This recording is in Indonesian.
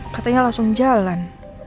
katanya langsung jalan